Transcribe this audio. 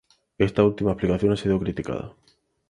Esta última explicación ha sido criticada.